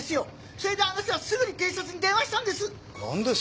それで私はすぐに警察に電話したんです！